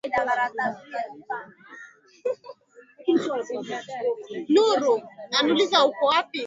mara nyingi pamoja na ala za muziki